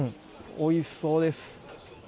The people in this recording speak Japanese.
おいしそうです。